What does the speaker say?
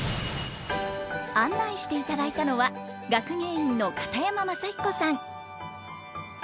案内していただいたのは学芸員の片山正彦さん。